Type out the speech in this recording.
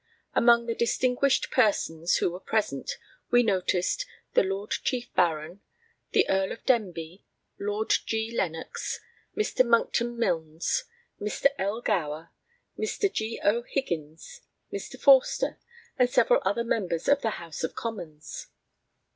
Among the distinguished persons who were present we noticed the Lord Chief Baron, the Earl of Denbigh, Lord G. Lennox, Mr. Monckton Milnes, Mr. L. Gower, Mr. G. O. Higgins, Mr. Forster, and several other members of the House of Commons.